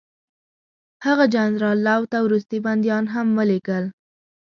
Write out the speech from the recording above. هغه جنرال لو ته وروستي بندیان هم ولېږل.